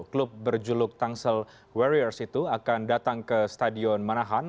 klub berjuluk tangsel warriors itu akan datang ke stadion manahan